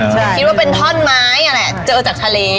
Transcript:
คิดว่าเป็นท่อนไม้นั่นแหละเจอจากทะเล